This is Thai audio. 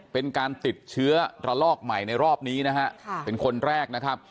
เป็นการติดเชื้อระลอกใหม่ในรอบนี้นะฮะเป็นคนแรกนะครับ